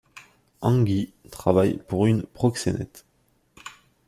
Han-gi travaille pour une proxénète.